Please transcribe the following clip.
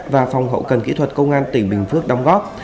và phòng hậu cần kỹ thuật công an tỉnh bình phước đóng góp